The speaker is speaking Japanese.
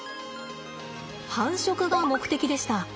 繁殖が目的でした。